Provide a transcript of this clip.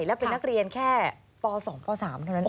และเป็นนักเรียนแค่ป๒ป๓เท่านั้นเอง